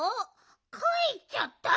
かえっちゃった。